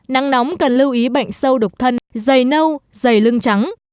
nắng nóng cần lưu ý bệnh sâu đục thân dày nâu dày lưng trắng